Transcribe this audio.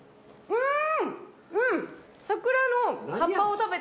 うん。